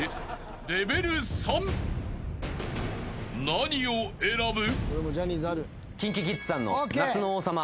［何を選ぶ？］